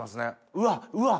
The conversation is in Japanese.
うわっうわっ